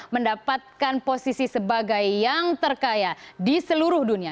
mendapatkan posisi sebagai yang terkaya di seluruh dunia